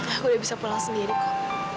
aku udah bisa pulang sendiri kok